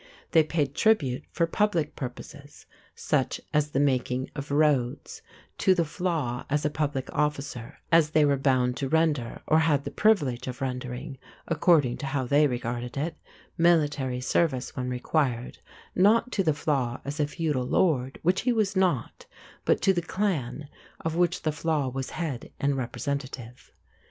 They paid tribute for public purposes, such as the making of roads, to the flaith as a public officer, as they were bound to render, or had the privilege of rendering according to how they regarded it military service when required, not to the flaith as a feudal lord, which he was not, but to the clan, of which the flaith was head and representative.